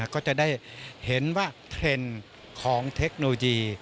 ก็จะได้เห็นว่าเทรนด์ของเทคโนโลยี